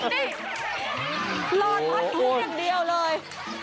รอนอนหรืออย่างเดียวเลย